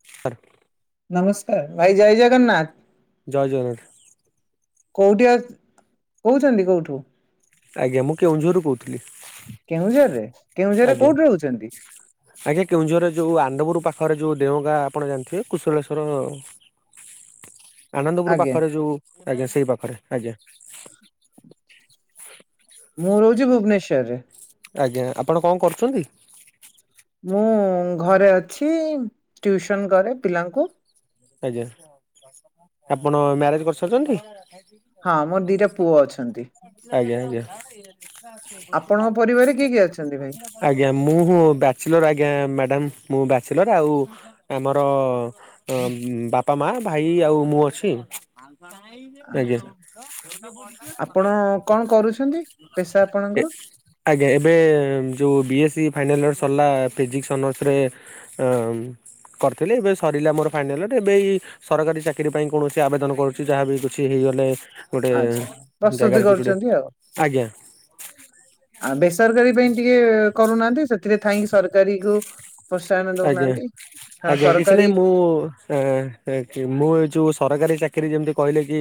[inaudible] ନମସ୍କାର ଭାଇ ଜୟ ଜଗନ୍ନାଥ ଜୟ ଜଗନାଥ। କୋଉଠି ଅ କହୁଚନ୍ତି କୋଉଠୁ? ଆଜ୍ଞା ମୁଁ କେଉଁଝରରୁ କହୁଥିଲି। କେଉଁଝରରେ? କେଉଁଝରରେ ଆଜ୍ଞା କୋଉଠି ରହୁଚନ୍ତି? ଆଜ୍ଞା କେଉଁଝର ଯୋଉ ଆନ୍ଦପୁର ପାଖରେ ଯୋଉ ଦେଓଗାଁ ଆପଣ ଜାଣିଥିବେ କୁଶଳେଶ୍ୱର। ଆନନ୍ଦପୁର ଆଜ୍ଞା ପାଖରେ ଯୋଉ ଆଜ୍ଞା ସେଇ ପାଖରେ ଆଜ୍ଞା। ମୁଁ ରହୁଚି ଭୁବନେଶ୍ୱରରେ। ଆଜ୍ଞା ଆପଣ କଁ କରୁଚନ୍ତି? ମୁଁ ଘରେ ଅଛି ଟ୍ୟୁଉସନ୍ କରେ ପିଲାଙ୍କୁ। ଆଜ୍ଞା ଆପଣ ମ୍ୟାରେଜ୍ କରିସାରଚନ୍ତି? ହଁ ମୋର ଦିଟା ପୁଅ ଅଛନ୍ତି। ଆଜ୍ଞା ଆଜ୍ଞା। ଆପଣଙ୍କ ପରିବାରରେ କିଏ କିଏ ଅଛନ୍ତି ଭାଇ? ଆଜ୍ଞା ମୁଁ ହୁଁ ବ୍ୟାଚଲର୍ ଆଜ୍ଞା ମାଡ଼ାମ୍ ମୁଁ ବ୍ୟାଚଲର୍ ଆଉ ଆମର ଅ ବାପା ମା ଭାଇ ଆଉ ମୁଁ ଅଛି। ଆଜ୍ଞା। ଆଚ୍ଛା ଉଛନ୍ତି ପେସା ଆପଣଙ୍କର? ଆଜ୍ଞା ଏବେ ଯୋଉ B S C final years ସରିଲା ଫିଜିକ୍ସ୍ ଅନର୍ସରେ। ଅଁ କରିଥିଲି ଏବେ ସରିଲା ମୋର। ଫାଇନାଲ୍ ଟି ଏବେ ଏଇ ସରକାରୀ ଚାକିରି ପାଇଁ କୌଣସି ଆବେଦନ କରୁଚି ଯାହା ବି କିଛି ହେଇଗଲେ। ଗୋଟେ ଆଚ୍ଛା ପ୍ରସ୍ତୁତି ଜାଗାରେ କିଛି ଗୋଟେ କରୁଛନ୍ତି ଆଉ। ଆଜ୍ଞା। ଆ ବେସରକାରୀ ପାଇଁ ଟିକେ କରୁନାହାନ୍ତି ସେଥିରେ ଥାଇଁକି ସରକାରୀ କୁ ପ୍ରୋତ୍ସାହନ ଦଉନାହାନ୍ତି ହଁ ସରକାରୀ ଓ ଏଁ ଏକ୍ଚୁ ମୁଁ ଏ ଯୋଉ ସରକାରୀ ଚାକିରି ଯେମତି କହିଲେ କି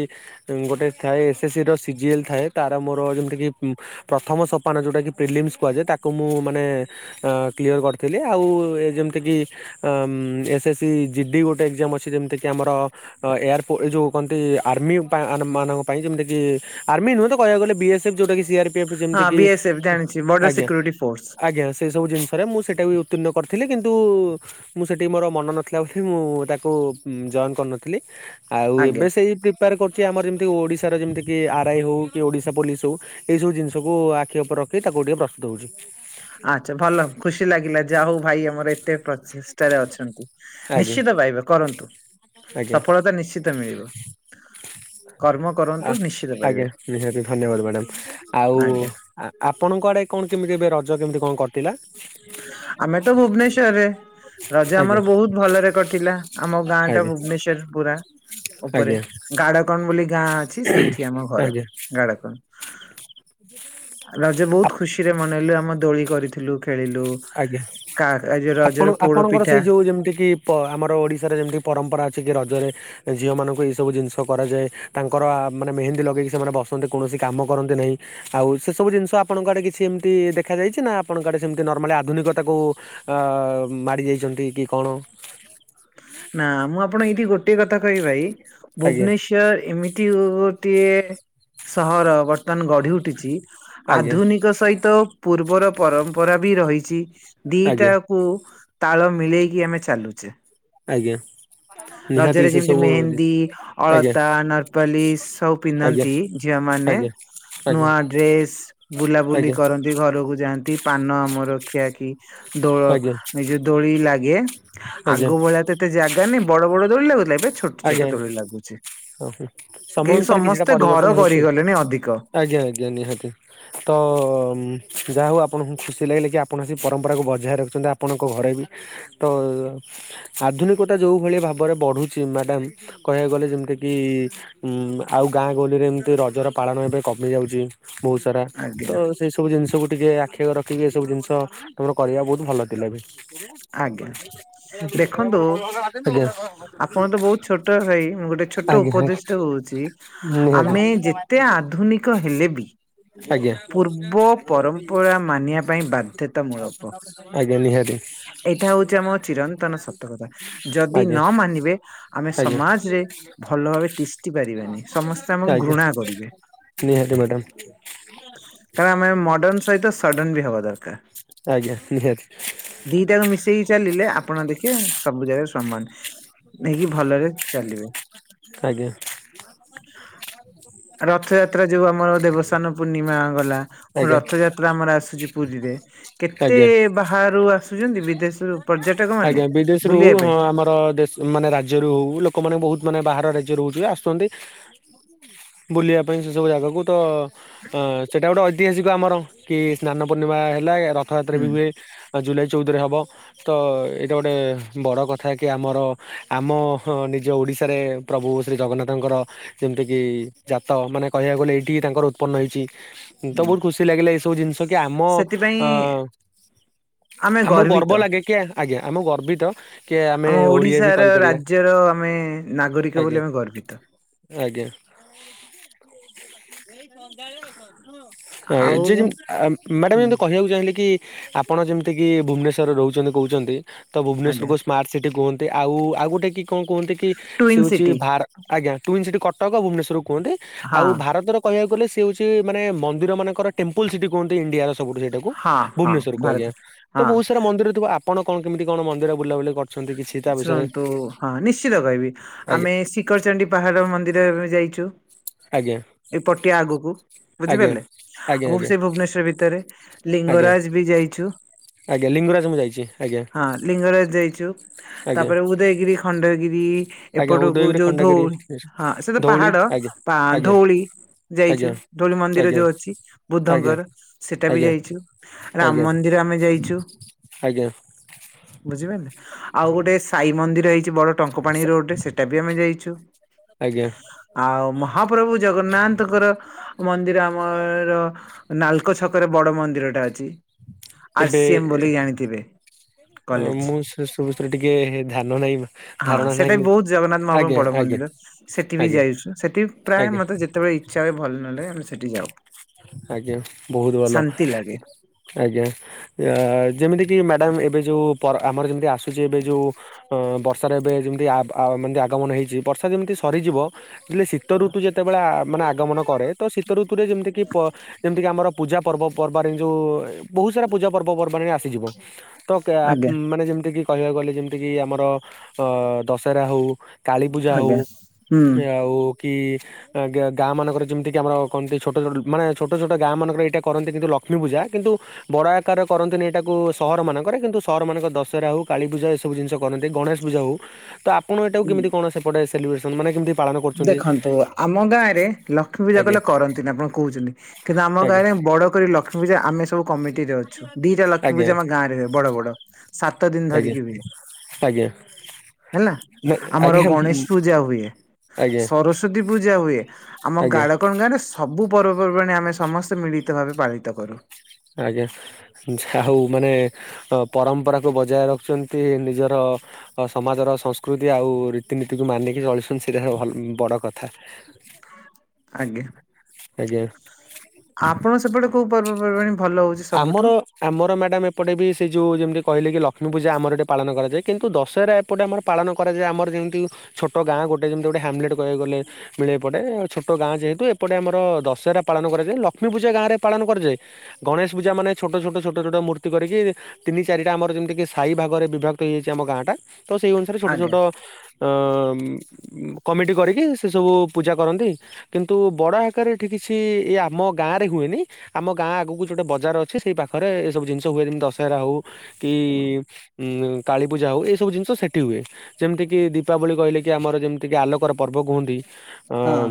ଉଁ ଗୋଟେ ଥାଏ ଏସ୍ ଏସ୍ ସି ର ସି ଜି ଏଲ୍ ଥାଏ ତାର ମୋର ଯେମତି କି ପ୍ରଥମ ସୋପାନ ଯୋଉଟା କି ପ୍ରିଲିମସ୍ କୁହାଯାଏ ତାକୁ ମୁଁ ମାନେ ଅ କ୍ଲିୟର୍ କରିଥିଲି ଆଉ ଏ ଯେମତି କିି ଅଁ S S C G D ଗୋଟେ ଏକ୍ଜାମ୍ ଅଛି ଯେମତି କି ଆମର ଅ ଏୟାର ପୋ ଏ ଯୋଉ କନ୍ତି ଆର୍ମିଉପା ଆନ୍ ମାନଙ୍କ ପାଇଁ ଯେମତି କି ଆର୍ମି ନୁହେଁ ତ କହିବାକୁ ଗଲେ ବି ଏସ୍ ଏଫ୍ ଯୋଉଟାକି ସି ଆର୍ ପି ଏଫ୍ ଯେମିତି ହଁ କି ବି ଏସ୍ ଏଫ୍ ଜାଣିଛି ବର୍ଡର ଆଜ୍ଞା ସିକ୍ୟୁରିଟି ଫୋର୍ସ ଆଜ୍ଞା ସେ ସବୁ ଜିନିଷରେ ମୁଁ ସେଟା ବି ଉତିନ୍ନ କରି ଥିଲି କିନ୍ତୁ ମୁଁ ସେଠି ମୋର ମନ ନଥିଲା ବୋଲି ମୁଁ ତାକୁ ଜଏନ୍ କରିନଥିଲି। ଆଉ ଆଜ୍ଞା ଏବେ ସେଇ ପ୍ରିପେୟାର କରୁଚି ଆମର ଯେମିତି ଓଡ଼ିଶାର ଯେମିତି କି ଆର୍ ଆଇ ହୋଉ କି ଓଡ଼ିଶା ପୋଲିସ୍ ହୋଉ। ଏଇ ସବୁ ଜିନିଷକୁ ଆଖି ଅପରେ ରଖି ତାକୁ ଟିକେ ପ୍ରସ୍ତୁତ ହୋଉଚି। ଆଚ୍ଛା ଭଲ ଖୁସି ଲାଗିଲା ଯା ହଉ ଭାଇ ଆମର ଏ ତେ ପ୍ରଚେଷ୍ଟାରେ ଅଛନ୍ତି ଆଜ୍ଞା ନିଶ୍ଚିତ ପାଇବେ କରନ୍ତୁ। ଆଜ୍ଞା ସଫଳତା ନିଶ୍ଚି ତ ମିଳିବ। କର୍ମ କରନ୍ତୁ ଆ ନିଶ୍ଚିତ ପାଇବେ ଆଜ୍ଞା ନିହାତି ଧନ୍ୟବାଦ ମାଡ଼ାମ୍ ଆଉ ଆଜ୍ଞା ଆପଣଙ୍କ ଆଡ଼େ କଣ କେମିତି ଏବେ ରଜ କେମିତି କଁ କଟିଲା। ଆମେ ତ ଭୁବନେଶ୍ଵରରେ। ରଜ ଆମର ଆଜ୍ଞା ବହୁତ ଭଲରେ କଟିଲା ଆମ ଗାଁଟା ଆଜ୍ଞା ଭୁବନେଶ୍ୱର ପୁରା ଓପରେ ଆଜ୍ଞା ଗାଡକନ୍ ବୋଲି ଗାଁ ଅଛି ସେଇଠି ଆମ ଘର ଆଜ୍ଞା ଗାଡକନ୍। ରଜ ଆପ ବୋହୁତ ଖୁସିରେ ମନେଇଲୁ ଆମ ଦୋଳି କରିଥିଲୁ ଖେଳିଲୁ। ଆଜ୍ଞା କା ଏ ଯୋଉ ଆପଣ ରଜର ପୋଡ ଆପଣଙ୍କର ପିଠା ସେଇ ଯୋଉ ଯେମିତି କି ପ ଆମର ଓଡ଼ିଶାରେ ଯେମିତି ପରମ୍ପରା ଅଛି ଯେ ରଜରେ ଏ ଝିଅମାନଙ୍କୁ ଏଇ ସବୁ ଜିନିଷ କରାଯାଏ ତାଙ୍କର ଆ ମାନେ ମେହେନ୍ଦୀ ଲଗେଇକି ସେମାନେ ବସନ୍ତି କୌଣସି କାମ କରନ୍ତି ନାହିଁ। ଆଉ ସେ ସବୁି ଜିନିଷ ଆପଣଙ୍କ ଆଡ଼େ କିଛି ଏମିତି ଦେଖା ଯାଇଛି ନାଁ ଆପଣଙ୍କ ଆଡ଼େ ସେମତି ନର୍ମାଲି ଆ ଧୁନିକତାକୁ ଅ ମାଡ଼ି ଯାଇଚନ୍ତି କି କଣ? ନାଁ ମୁଁ ଆପଣ ଏଇଠି ଗୋଟିଏ କଥା କହିବି ଭାଇ ଆଜ୍ଞା ଭୁବନେଶ୍ ଯା ଏମିତି ଗୋଟିଏ ସହର ବର୍ତ୍ତମାନ ଗଢ଼ି ଉଠିଚି ଆଜ୍ଞା ଆଧୁନିକ ସହିତ ପୂର୍ବର ପରମ୍ପରା ବି ରହିଚି ଆଜ୍ଞା ଦିଟା କୁ ତାଳ ମିଳେଇକି ଆମେ ଚାଲୁଚେ। ଆଜ୍ଞା। ନିହାତି ରଜରେ ସେ ଯେମିତି ସବୁ ଆଜ୍ଞା ମେହେନ୍ଦୀ ଆଜ୍ଞା ଅଳତା ନର୍ ପଲିସ୍ ସବୁ ଆଜ୍ଞା ପିନ୍ଧନ୍ତି ଝିଅମାନେ ଆଜ୍ଞା ନୂଆ ଡ୍ରେସ୍ ବୁଲାବୁଲି ଆଜ୍ଞା କରନ୍ତି ଘରକୁ ଯାଆନ୍ତି ପାନ ଆମର ଖିଆ ଖି ଦୋଳ ଆଜ୍ଞା ନିଜ ଦୋଳି ଲାଗେ ଆଜ୍ଞା ଆଗ ଭଳିଆ ତ ଏତେ ଜାଗା ନେ ବଡ ବଡ ଦୋଳି ଲାଗୁଥିଲା ଏବେ ଛୋଟ୍ ଛୋଟ୍ ଆଜ୍ଞା ଦୋଳି ଲାଗୁଛି ହଁ ସମ କେହି ଅନୁସାରେ କିଛିଟା ସମସ୍ତେ ପରିବର୍ତ୍ତନ ଘର ହେଉଛି। କରିଗଲେଣିି ଅଧିକ ଆଜ୍ଞା ଆଜ୍ଞା ନିହାତି। ତ ଉଁ ଯାହାହଉ ଆପଣଙ୍କୁ ଖୁସି ଲାଗିଲା କି ଆପଣ ସେ ପରମ୍ପରାକୁ ବଜାୟ ରଖିଛନ୍ତି ଆପଣଙ୍କ ଘରେ ବି। ତ ଆଧୁନିକତା ଯୋଉ ଭଳି ଭାବରେ ବଢୁଛି ମ୍ୟାଡ଼ାମ୍ କହିବାକୁ ଗଲେ ଯେମିତି କି ଉଁ ଆଉ ଗାଁ ଗହଳିରେ ଏମିତି ରଜର ପାଳନ ଏବେ କମି ଯାଉଚି। ବହୁତ୍ ସାରା ଆଜ୍ଞା ତ ସେଇ ସବୁ ଜିନିଷକୁ ଟିକେ ଆଖି ଆଗରେ ରଖିକି ଏସବୁ ଜିନିସ୍ ତୁମର କରିବା ବହୁତ ଭଲ ଥିଲା ବି। ଆଜ୍ଞା [unintelligible] ଦେଖନ୍ତୁ ଆଜ୍ଞା। ଆପଣ ତ ବହୁତ ଛୋଟ ଭାଇ ମୁ ଗୋଟେ ଆଜ୍ଞା ଛୋଟ ଉପଦେଶ ଟେ ହଉଛି ନିହାତି। ଆମେ ଯେ ତେ ଆଧୁନିକ ହେଲେ ବି ଆଜ୍ଞା ପୂର୍ବ ପରମ୍ପରା ମାନିବା ପାଇଁ ବାଧ୍ୟତାମୂଳକ। ଆଜ୍ଞା ନିହାତି ଏଇଟା ହଉଚି ଆମ ଚିରନ୍ତନ ସତକଥା। ଯଦି ଆଜ୍ଞା ନ ମାନିବେ ଆମେ ଆଜ୍ଞା। ସମାଜରେ ଭଲ ଭାବେ ତିଷ୍ଠି ପାରିବେନି ସମସ୍ତେ ଆମକୁ ଆଜ୍ଞା ଘୃଣା କରିବେ। ନିହାତି ମ୍ୟାଡ଼ାମ୍। କାରଣ ଆମେ ମଡର୍ଣ୍ଣ ସହିତ ସଡନ୍ ବି ହବା ଦରକାର୍। ଆଜ୍ଞା ନିହାତି। ଦିଟାକୁ ମି ଶିକି ଚାଲିଲେ ଆପଣ ଦେଖିବେ ସବୁ ଜାଗାରେ ସମାନ ହେଇକି ଭଲରେ ଚାଲିବେ। ଆଜ୍ଞା। ରଥଯାତ୍ରା ଯୋଉ ଆମର ଦେବସ୍ନାନ ପୂର୍ଣ୍ଣିମା ଗଲା ପୁଣି ଆଜ୍ଞା ରଥଯାତ୍ରା ଆମର ଆସୁଛି ପୁରୀରେ କେତେ ଆଜ୍ଞା। ବାହାରୁ ଆସୁଚନ୍ତି ବିଦେଶ୍ ରୁ ଆଜ୍ଞା ବିଦେଶରୁୁ ହଁ ଆମର ଦେଶ ମାନେ ରାଜ୍ୟରୁ ଲୋକମାନେ ବହୁତ୍ ମାନେ ବାହାର ରାଜ୍ୟରୁ ହଉଚି ଆସୁଛନ୍ତି ବୁଲିବା ପାଇଁ ସେ ସବୁ ଜାଗାକୁ ତ ଅଂ ସେଟା ଗୁଟେ ଐ ତିହାସିକ ଆମର କି ସ୍ନାନ ପୂର୍ଣ୍ଣିମା ହେଲା ରଥଯାତ୍ରା ବି ହୁଏ ହୁଁ ଜୁଲାଇ ଚଉଦରେ ହବ। ତ ଏଇଟା ଗୋଟେ ବଡ଼ କଥା କି ଆମର ଆମ ନିଜ ଓଡ଼ିଶାରେ ପ୍ରଭୁ ଶ୍ରୀ ଜଗନ୍ନାଥଙ୍କର ଯେମିତିକି ଜାତ ମାନେ କହିବାକୁ ଗଲେ ଏଇଠି ତାଙ୍କର ଉତ୍ପନ୍ନ ହେଇଛି। ତ ବହୁତ୍ ଖୁସି ଲାଗିଲା ଏଇସବୁ ଜିନିଷ କି ଆମ ସେଥିପାଇଁ ଅଂ ଆମେ ଆମକୁ ଗର୍ବିତ। ଗର୍ବ ଲାଗେ କି ଆଜ୍ଞା ଆମକୁ ଗର୍ବିତ କି ଆମେ ଆମ ଓଡିଆ ବି ଓଡିଶାର କହିପାରିବା ରାଜ୍ୟର ଆମେ ନାଗରିକ ଆଜ୍ଞା ବୋଲି ଆମେ ଗର୍ବିତ। ଆଜ୍ଞା। [unintelligible] ଯିଏ ଯେମିତି ଆଉ [unintelligible] ମ୍ୟାଡାମ୍ ହୁଁ ଏମ୍ତି କହିବାକୁ ଚାହିଁଲେ କି ଆପଣ ଯେମିତିକି ଭୁବନେଶ୍ୱରରେ ରହୁଛନ୍ତି କହୁଛନ୍ତି ତ ଆଜ୍ଞା ଭୁବନେଶ୍ଵରୁ ସ୍ମାର୍ଟ୍ ସିଟି କୁହନ୍ତି ଆଉ ଆଉ ଗୁଟେ କି କଣ କୁହନ୍ତି କି ସେ ଟୁଇନ ହଉଛି ସିଟି ଭାର୍ ଆଜ୍ଞା ଟୁଇନ୍ ସିଟି କଟକ ଭୁବନେଶ୍ୱରୁ କୁହନ୍ତି ହଁ ଆଉ ଭାରତର କହିବାକୁ ଗଲେ ସେ ହଉଛି ମାନେ ମନ୍ଦିର ମାନଙ୍କର ଟେମ୍ପୁଲ୍ ସିଟି କୁହନ୍ତି ଇଣ୍ଡିଆର ସବୁଠୁ ସେଇଟାକୁ ହଁ ହଁ ଭୁବନେଶ୍ୱର କୁ ଭାରତ ଆଜ୍ଞା ତ ହଁ ବହୁତ ସାରା ମନ୍ଦିର ଥିବ ଆପଣ କଣ କେମିତି କଣ ମନ୍ଦିର ବୁଲାବୁଲି କ ଶୁଣନ୍ତୁ ହଁ ନିଶ୍ଚିତ କହିବି ଆଜ୍ଞା ଆମେ ଶି ଖର ଚଣ୍ଡୀ ପାହାଡ଼ ମନ୍ଦିର ଆମେ ଯାଇଚୁ। ଆଜ୍ଞା ଏଇ ପଟିଆ ଆଗକୁ ଆଜ୍ଞା ବୁଝିପାରିଲେ ଆଜ୍ଞା ଆଉ ସେଇ ଭୁବନେଶ୍ୱର ଭିତରେ। ଆଜ୍ଞା ଆଜ୍ଞା ଲିଙ୍ଗରାଜ ବି ଯାଇଛୁ। ଆଜ୍ଞା ଲିଙ୍ଗରାଜ ମୁଁ ଯାଇଛି ଆଜ୍ଞା ହଁ ଲିଙ୍ଗରାଜ ଯାଇଛୁ ଆଜ୍ଞା ତାପରେ ଉଦୟଗିରି ଖଣ୍ଡଗିରି। ଆଜ୍ଞା ଏପଟକୁ ଉଦୟଗିରି ଯୋଉ ଧଉ ଖଣ୍ଡଗିରି ହଁ ସେ ତ ଧଉଳି ପାହାଡ ଆଜ୍ଞା ପା ଆଜ୍ଞା ଧଉଳି ଆଜ୍ଞା ଯାଇଛୁ ଧଉଳି ମନ୍ଦିର ଆଜ୍ଞା ଯୋଉ ଅଛି ଆଜ୍ଞା ବୁଦ୍ଧଙ୍କର ସେଟା ବି ଆଜ୍ଞା ଯାଇଛୁ। ରାମ ଆଜ୍ଞା ମନ୍ଦିର ଆମେ ଯାଇଛୁ। ଆଜ୍ଞା। ବୁଝିପାରିଲେ ଆଉ ଗୋଟେ ସାଇ ମନ୍ଦିର ହେଇଛି ବଡ ଟଙ୍କ ପାାଣି ରୋଡରେ ସେଟା ବି ଆମେ ଯାଇଛୁ। ଆଜ୍ଞା ଆଉ ମହାପ୍ରଭୁ ଜଗନ୍ନାଥଙ୍କର ମନ୍ଦିର ଆମର ନାଲକୋ ଛକରେ ବଡ ମନ୍ଦିର ଟା ଅଛି। ଆର୍ ସି ଏମ ବୋଲି ଜଣିିଥିବେ। ଅ ମୁଁ ସେ ସବୁ ବିଷୟରେ ଟିକେ ଧ୍ୟାନ ନାହିଁ ମା ହଁ ସେଟା ବି ବହୁତ ଜଗନ୍ନାଥ ମହା ବଡ ଆଜ୍ଞା ମନ୍ଦିର ସେଠି ବି ଆଜ୍ଞା ଯାଇଛୁ ସେଠି ପ୍ରାୟ ଆଜ୍ଞା ମତେ ଯେତେବେଳେ ଇଚ୍ଛା ହୁଏ ଭଲ ନ ଲାଗେ ଆମେ ସେଠିକି ଯାଉ। ଆଜ୍ଞା ବହୁତ ଭଲ ଶାନ୍ତି ଲାଗେ ଆଜ୍ଞା ଆ ଯେମିତି କି ମ୍ୟାଡ଼ାମ ଏ ଏବେ ଯୋଉ ପର ଆମର ଯେମିତି ଆସୁଛି ଏବେ ଯୋଉ ଅ ବର୍ଷାର ଏବେ ଯେମିତିି ଆ ଆଗମନ ହେଇଛି ବର୍ଷା ଯେମିତି ସରିଯିବ ଯେତେବେଳେ ଶୀତ ଋତୁ ଯେତେବେଳେ ଆ ମାନେ ଆଗମନ କରେ ତ ଶୀତ ଋତୁରେ ଯେମିତି କିି ପ ଯେମିତିକି ଆମର ପୂଜା ପର୍ବ ପର୍ବାରେ ଯୋଉ ବହୁତ ସାରା ପୂଜା ପର୍ବ ପର୍ବାଣି ରେ ଆସିଯିବ। ତ କେ ଆ ଆଜ୍ଞା ମାନେ ଯେମିତି କି କହିବାକୁ ଗଲେ ଯେମିତି କିି ଆମର ଅ ଦଶହରା ହଉ କାଳୀ ପୂଜା ହଉ ଆଜ୍ଞା ହୁଁ। ଆଉ କି ଗା ଗା ମାନଙ୍କର ଯେମିତି କି ଆମର କହନ୍ତି ଛୋଟ ଛୋଟ ମାନେ ଛୋଟ ଛୋଟ ଗାଁ ମାନଙ୍କରେ ଏଇଟା କରନ୍ତି କିନ୍ତୁ ଲକ୍ଷ୍ମୀ ପୂଜା କିନ୍ତୁ ବଡ ଆକାରରେ କରନ୍ତିନି ଏଇଟାକୁ ସହର ମାନଙ୍କ କରେ କିନ୍ତୁ ସହର ମାନଙ୍କରେ ଦଶହରା ହଉ କାଳି ପୂଜା ଏ ସବୁ ଜିନିଷ କରନ୍ତି ଗଣେଶ ପୂଜା ହଉ ତ ଆ ପଣ ଏଟାକୁ କେମତି କଣ ସେପଟେ ସେଲିବ୍ରେସନ ମାନେ କେମତି ଦେଖନ୍ତୁ ଆମ ଗାଁ ରେ ଲକ୍ଷ୍ମୀ ପୂଜା ଆଜ୍ଞା କହିଲେ କରନ୍ତିନି ଆପଣ କରୁଛନ୍ତି କିନ୍ତୁ ଆମ ଆଜ୍ଞା ଗାଁରେ ବଡ କରି ଲକ୍ଷ୍ମୀ ପୂଜା ଆମେ ସବୁ କମିଟିରେ ଅଛୁ ଦିଟା ଲକ୍ଷ୍ମୀ ଆଜ୍ଞା ପୂଜା ଆମ ଗାଁରେ ହୁଏ ବଡ ବଡ। ସାତ ଦିନ ଆଜ୍ଞା ଧରିକି ହୁଏ। ଆଜ୍ଞା ହେଲା ଆଜ୍ଞା ଆମର ଗଣେଶ ପୂଜା ହୁଏ। ଆଜ୍ଞା ସରସ୍ଵତୀ ପୂଜା ହୁଏ ଆମ ଆଜ୍ଞା। ଗାଡ କ ମ ଗାଁ ରେ ସବୁ ପର୍ବପର୍ବାଣି ଆମେ ସମସ୍ତେ ମିଳିତ ଭାବେ ପାଳିତ କରୁ ଆଜ୍ଞା ଯାହା ହଉ ମାନେ ଅ ପରମ୍ପରାକୁ ବଜାୟ ରଖୁଛନ୍ତି ନିଜର ସମାଜର ସଂସ୍କୃତି ଆଉ ରୀତିନୀତିକୁ ମାନିକି ଚଳୁଛନ୍ତି ସେଇଟାଲ ବଡ଼ କଥା ହ ଆଜ୍ଞା ଆଜ୍ଞା ଆପଣ ସେପଟେ କୋଉ ପର୍ବପର୍ବାଣି ଆମର ଆମର ମ୍ୟାଡ଼ାମ ଏପଟେ ବି ସେ ଯେଉ ଯେମିତି କହିଲେ କି ଲକ୍ଷ୍ମୀ ପୂଜା ଆମର ଏଠି ପାଳନ କରାଯାଏ କିନ୍ତୁ ଦଶହରା ସେପଟେ ଆମର ପାଳନ କରାଯାଏ ଆମର ଯେମିତି ଛୋଟ ଗାଁ ଗୋଟେ ଯେମିତି ଗୋଟେ ହ୍ୟାମଲେଟ୍ କହିବାକୁଗଲେ ମିଳେ ଏପଟେ ଛୋଟ ଗାଁ ଯେହେତୁ ଏପଟେ ଆମର ଦଶହରା ପାଳନ କରାଯାଏ ଲକ୍ଷ୍ମୀ ପୂଜା ଗାଁରେ ପାଳନ କରାଯାଏ। ଗଣେଶ ପୂଜା ମେ ଛୋଟ ଛୋଟ ଛୋଟ ମୂର୍ତ୍ତି କରିକି ତିନି ଚାରିଟା ଆମର ଯେମିତିକି ସାଇ ଭାଗରେ ବିଭକ୍ତ ହେଇଯାଇଛି ଆମ ଗାଁଟା ତ ସେଇ ଅନୁସାରେ ଛୋଟ ଆଜ୍ଞା ଛୋଟ ଅ କମିଟି କରିକି ସେ ସବୁ ପୂଜା କରନ୍ତି। କିନ୍ତୁ ବଡ ଆକାରରେ ଏଠି କିଛି ଆମ ଗାଁ ରେ ହୁଏନି ଆମ ଗାଁ ଆଗକୁ ଗୋଟେ ବଜାର ଅଛି ସେଇ ପାଖରେ ଏ ସବୁ ଜିନିଷ ହୁଏ ଯେମିତି ଦଶହରା ହଉ କି ଉଁ କାଳୀ ପୂଜା ହଉ ଏଇ ସବୁ ଜିନିଷ ସେଠି ହୁଏ ଯେମିତି କିି ଦୀପାବଳି କହିଲେ କି ଆମର ଯେମିତି କିି ଆଲୋକର ପର୍ବ କୁହନ୍ତି ଅ ହଁ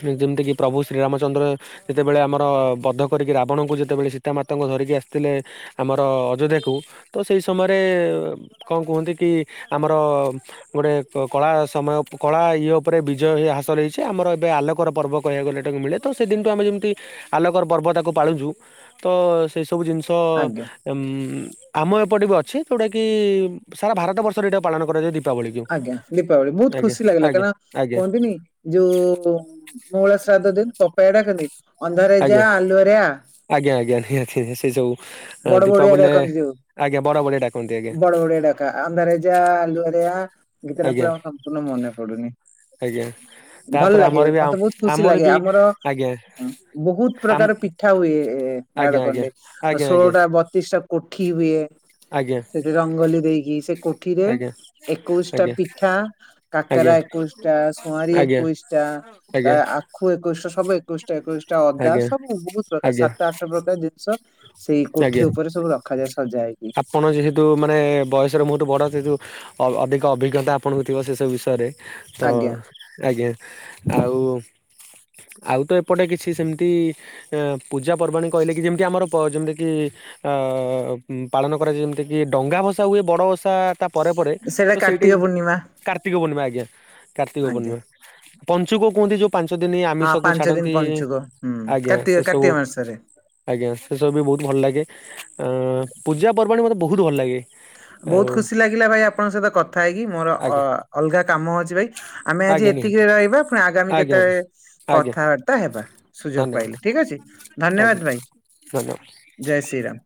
ଯେମିତିକି ପ୍ରଭୁ ଶ୍ରୀରାମଚନ୍ଦ୍ର ଯେତେବେଳେ ଆମର ବଧ କରିକି ଆପଣଙ୍କୁ ଯେତେବେଳେ ସୀତାମାତାଙ୍କୁ ଧରିକି ଆସିଥିଲେ ଆମର ଅଯୋଧ୍ୟାକୁ ତ ସେଇ ସମୟରେ କଣ କୁହନ୍ତି କି ଆମର ଗୋଟେ କଳା ସମୟ କଳା ଇଏ ଉପରେ ବିଜୟ ହାସଲ ହେଇଛି ଆମର ଏବେ ଆଲୋକର ପର୍ବ କହିବାକୁ ଗଲେ ଏଟାକୁ ମିଳେ ତ ସେଦିନୁଠୁ ଆମେ ଯେମିତି ଆଲୋକର ପର୍ବ ତାକୁ ପାଳୁଛୁ ତ ସେଇ ସବୁ ଜିନିଷ ଆଜ୍ଞା ଉ ଆମ ଏପଟେ ବି ଅଛି ଯୋଉଟା କିି ସାରା ଭାରତ ବର୍ଷରେ ଏଇଟା ପାଳନ କରାଯାଏ ଦ ଆଜ୍ଞା ଦୀପାବଳି ବହୁତ ଖୁସି ଲାଗିଲା ଆଜ୍ଞା କାଁକନା ଆଜ୍ଞା କୁହନ୍ତିନି ଯୋଉ ମଙ୍ଗଳା ଶ୍ରାଦ୍ଧ ଦିନ ପପେଇଆ ଡାକନ୍ତି ଅନ୍ଧାରରେ ଯା ଆଜ୍ଞା ଆଲୁରେ ଆଜ୍ଞା ଆଜ୍ଞା ନିହାତିଁ ସେ ସବୁ ବଡ ବଢିଆ ଡାକନ୍ତି ଯୋଉ ଆଜ୍ଞ ବଡ଼ବଢିଆ ଡାକନ୍ତି ଆ ବଡ଼ ବଡ଼େଇଟକା ଅନ୍ଧରାଜା ଆଲୁଅରେ ଗୀତ ତ ଆଜ୍ଞା ପୁ ସମ୍ପୂର୍ଣ୍ଣ ମନେ ପଡୁନି। ଆଜ୍ଞା ଭଲ ତାପରେ ଲାଗେ ଆମର ବି ମତେ ଆମ- ବହୁତ ଖୁସି ଲାଗେ ବି ଆମର ଆଜ୍ଞା ବହୁତ ଆମ ପ୍ରକାର ପି ଠା ହୁଏ ଗାଡ ଆଜ୍ଞା ଆଜ୍ଞା କଣ୍ଡେ ଆଜ୍ଞା ଆଜ୍ଞା ଷୋଳଟା ବତିଶ ଟା କୋଠି ହୁଏ ଆଜ୍ଞା ସେ ରଙ୍ଗୋଲି ଦେଇକି ସେ କୋଠିରେ ଆଜ୍ଞା ଏକୋଇଶ ଟା ଆଜ୍ଞା ପିଠା କାକରା ଆଜ୍ଞା ଏକୋଇଶ ଟା ସୁଆଁରୀ ଏକୋଇଶି ଟା ଆଜ୍ଞା ଖୁ ଏକୋଇଶା ସବୁ ଏକୋଇଶଟା ଏକୋଇଶଟା ଅଦା ଆଜ୍ଞା ସବୁ ବହୁତ ଆଜ୍ଞା ପ୍ରକାର ଆଜ୍ଞା ସାତ ଆଠ ପ୍ରକାର ଜିନିଷ ସେଇ କୋଠି ଆଜ୍ଞା ଉପରେ ସବୁ ରଖାଯାଏ ସଜା ହେଇକି ଆପଣ ଯେହେତୁ ମାନେ ବୟସରେ ବହୁତ ବଡ଼ ସେହେତୁ ଅଧିକ ଅଭିଜ୍ଞତା ଆପଣଙ୍କୁ ଥିବ ସେସବୁ ବିଷୟରେ ତ ଆଜ୍ଞା ଆଜ୍ଞା ଆଉ ଆଉ ତ ଏପଟେ କିଛି ସେମିତି ପୂଜାପର୍ବାଣି କହିଲେ କି ଯେମିତି ଆମର ଯେମିତିକି ଉ ପାଳନ କରାଯାଏ ଯେମିତି କିି ଡଙ୍ଗା ଭସା ହୁଏ ବଡ ଓସା ତା ପରେ ପରେ ତ ସେଇଟା। କାର୍ତ୍ତିକ ପୂର୍ଣ୍ଣିମା କାର୍ତ୍ତିକ ପୂର୍ଣିମା ଆଜ୍ଞା କାର୍ତ୍ତିକ ଆଜ୍ଞା ପୂର୍ଣିମା ପଞ୍ଚୁକ କୁହନ୍ତି ଯୋଉ ପାଞ୍ଚ ଦିନ ହଁ ଆମିଷକୁ ପାଞ୍ଚ ଦିନ ଛାଡନ୍ତି ପଞ୍ଚୁକ ହୁଁ ଆଜ୍ଞା ସେ କାର୍ତ୍ତିକ ସବୁ କାର୍ତ୍ତିକ ମାସରେ ଆଜ୍ଞା ସେ ସବୁ ବି ବହୁତ ଭଲ ଲାଗେ ଅ ପୂଜା ପର୍ବାଣୀ ମତେ ବହୁତ ଭଲ ଲାଗେ ବହୁତ ଆଉ ଖୁସି ଲାଗିଲା ଭାଇ ଆପଣଙ୍କ ସହିତ କଥା ହେଇକି ମୋର ଅ ଆଜ୍ଞା ଅଲଗା କାମ ଅଛି ଭାଇ ଆମେ ଆଜି ଆଜ୍ଞା ନିହାତି ଏତିକିରେ ରହିବା ପୁଣି ଆଗାମି ଆଜ୍ଞା ଆଜ୍ଞା କେତେବେଳେ ଆଜ୍ଞା କଥାବାର୍ତ୍ତା ହେବା ସୁଯୋଗ ଧନ୍ୟବାଦ ପାଇଲେ ଠିକ ଅଛି ଆଜ୍ଞା ଧନ୍ୟବାଦ ଭାଇ ଧନ୍ୟବାଦ। ଜୟ ଶ୍ରୀରାମ।